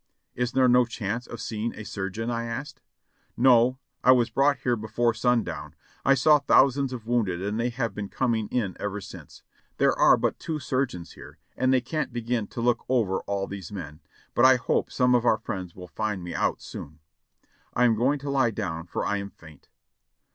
"Is there no chance of seeing a surgeon," I asked, "No, I was brought here before sundown ; I saw thousands of wounded and they have been coming in ever since. There are but two surgeons here, and they can't begin to look over all these men, but I hope some of our friends will find me out soon. I am going to lie down, for I am faint."